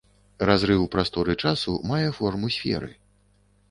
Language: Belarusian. Разрыў прасторы-часу мае форму сферы.